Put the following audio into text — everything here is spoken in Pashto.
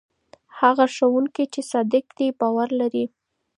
هغه ښوونکی چې صادق دی باور لري.